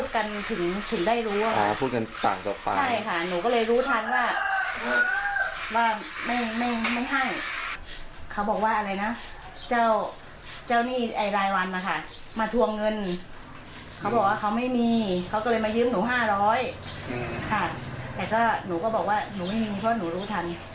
เขาก็เลยมายืมหนู๕๐๐บาทแต่หนูก็บอกว่าหนูไม่มีเพราะหนูรู้ทัน